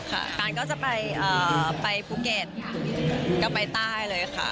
การก็จะไปบุกรีตก็ไปใต้เลยค่ะ